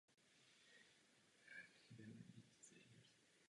Jejím zřizovatelem je město Uherské Hradiště.